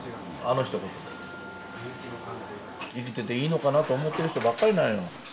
生きてていいのかなと思ってる人ばっかりなんよ。